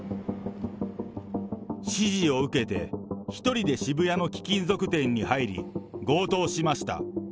指示を受けて１人で渋谷の貴金属店に入り、強盗しました。